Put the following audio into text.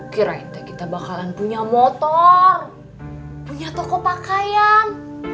kirain kita bakalan punya motor punya toko pakaian